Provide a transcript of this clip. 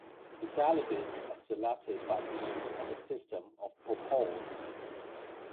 The delegates are selected by means of a system of Proporz.